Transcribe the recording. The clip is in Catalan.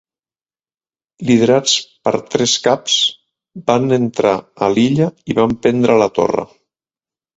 Liderats per tres caps, van entrar a l'illa i van prendre la torre.